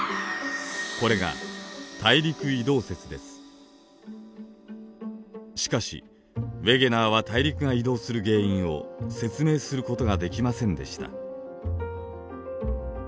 これがしかしウェゲナーは大陸が移動する原因を説明することができませんでした。